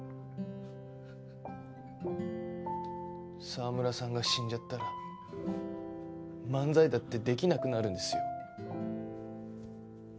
澤村さんが死んじゃったら漫才だってできなくなるんですよ。